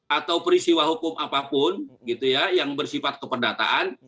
atau peristiwa hukum apapun gitu ya yang bersifat keperdataan